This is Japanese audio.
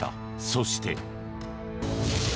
そして。